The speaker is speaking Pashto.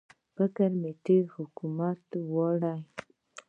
فکر مې تېر حکومت ته ولاړی.